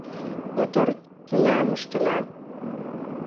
Мотор тӱням ыштена!